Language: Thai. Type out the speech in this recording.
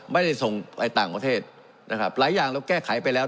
ไม่ได้ส่งไปต่างประเทศนะครับหลายอย่างเราแก้ไขไปแล้ว